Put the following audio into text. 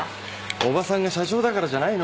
おばさんが社長だからじゃないの。